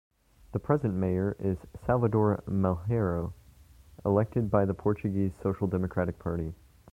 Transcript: The present Mayor is Salvador Malheiro, elected by the Portuguese Social Democratic Party.